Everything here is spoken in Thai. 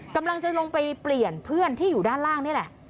กำลังจะลงไปเปลี่ยนเพื่อนที่อยู่ด้านล่างนี่แหละ